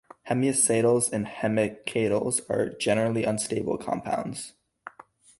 Hemiacetals and hemiketals are generally unstable compounds.